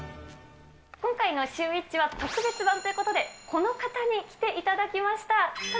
今回のシューＷｈｉｃｈは特別版ということで、この方に来ていただきました。